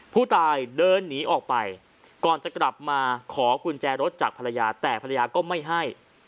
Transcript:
ผู้ตายเดินหนีออกไปก่อนจะกลับมาขอกุญแจรถจากภรรยาแต่ภรรยาก็ไม่ให้